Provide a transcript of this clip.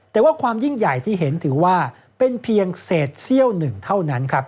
แต่ว่าความยิ่งใหญ่ที่เห็นถือว่าเป็นเพียงเศษเซี่ยวหนึ่งเท่านั้นครับ